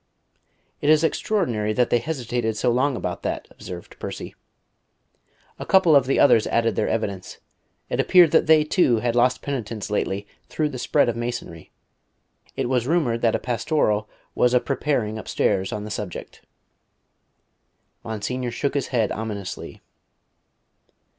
"It is extraordinary that they hesitated so long about that," observed Percy. A couple of the others added their evidence. It appeared that they, too, had lost penitents lately through the spread of Masonry. It was rumoured that a Pastoral was a preparing upstairs on the subject. Monsignor shook his head ominously.